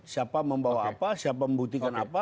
siapa membawa apa siapa membuktikan apa